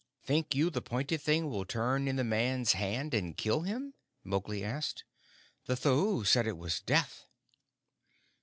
"Think you the pointed thing will turn in the man's hand and kill him?" Mowgli asked. "The Thuu said it was Death."